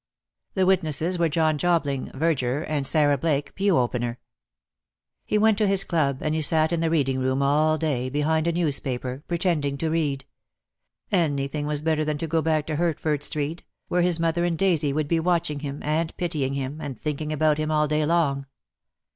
The witnesses were John Jobling, verger, and Sarah Blake, pew opener. He went to his club and he sat in the reading room all day, behind a newspaper, pretending to read. Anything was better than to go back to Hert ford Street, where his mother and Daisy would be watching him, and pitying him, and thinking about him all day long.